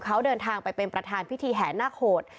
เขาเดินทางไปเป็นประธานพิธีแห่นาคโหด